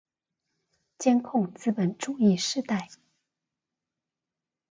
監控資本主義時代